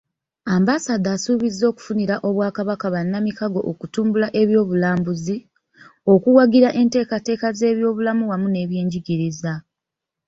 Ambasada asuubizza okufunira Obwakabaka bannamikago okutumbula ebyobulambuzi, okuwagira enteekateeka z'ebyobulamu wamu n'ebyenjigiriza.